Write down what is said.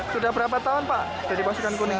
sudah berapa tahun pak jadi pasukan kuning